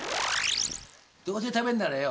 どうせ食べんならよ。